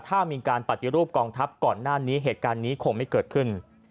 ถ้ามีการปฏิรูปกองทัพก่อนหน้านี้เหตุการณ์นี้คงไม่เกิดขึ้น